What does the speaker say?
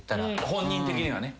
本人的にはね。